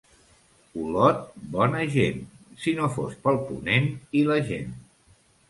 Olot, bona gent, si no fos pel ponent i la gent.